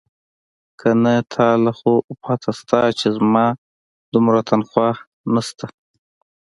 که نه تا له خو پته شتې چې زما دومره تنخواه نيشتې.